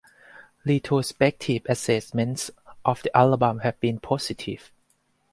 Retrospective assessments of the album have been positive.